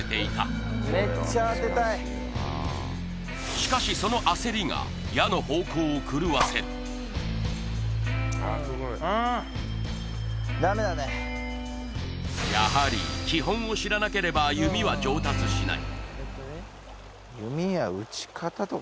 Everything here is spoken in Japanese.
しかしそのああやはり基本を知らなければ弓は上達しない